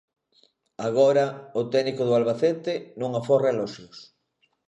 Agora, o técnico do Albacete non aforra eloxios.